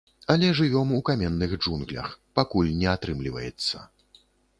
Але жывём у каменных джунглях, пакуль не атрымліваецца.